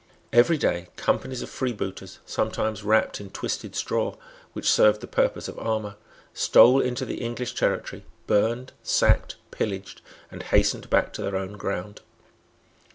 Every day companies of freebooters, sometimes wrapped in twisted straw which served the purpose of armour, stole into the English territory, burned, sacked, pillaged, and hastened back to their own ground.